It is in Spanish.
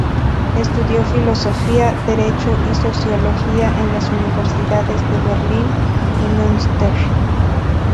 Estudió Filosofía, Derecho y Sociología en las Universidades de Berlín y Münster.